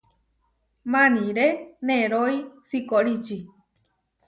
Maníre nerói sikoríči.